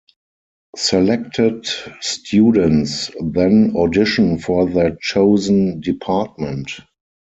Selected students then audition for their chosen department.